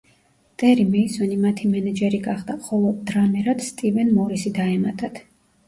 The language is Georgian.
ტერი მეისონი მათი მენეჯერი გახდა, ხოლო დრამერად სტივენ მორისი დაემატათ.